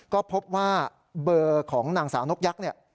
ก็พบว่าเบอร์ของนางสาวนกยักษ์เนี่ย